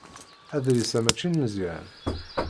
Adlis-a mačči n Meẓyan.